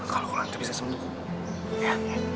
kalau kurang itu bisa sembuh